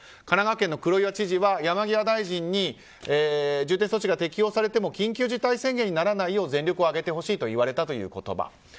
神奈川県の黒岩知事は山際大臣に重点措置が適用されても緊急事態宣言にならないよう全力を挙げてほしいと言われたという言葉。